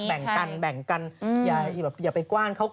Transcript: แบ่งกันแบ่งกันอย่าไปกว้านเขา